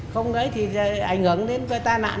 không đấy thì ảnh hưởng đến quay tai nạn